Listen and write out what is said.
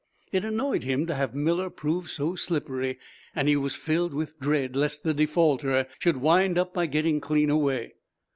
It annoyed him to have Miller prove so slippery, and he was filled with dread lest the defaulter should wind up by getting clean away.